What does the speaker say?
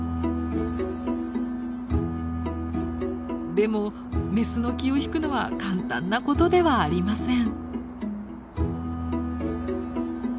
でもメスの気を引くのは簡単なことではありません。